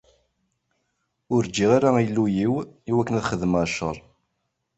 Ur ǧǧiɣ ara Illu-iw iwakken ad xedmeɣ ccer.